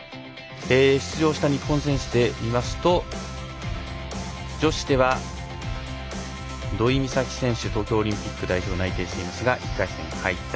出場した日本選手で見ますと女子では、土居美咲東京オリンピック代表内定していますが１回戦敗退。